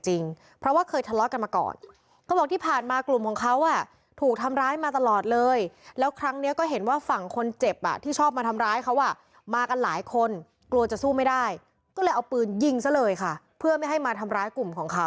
จอดรถแล้วลงไปไล่ยิงคู่อรี่ค่ะ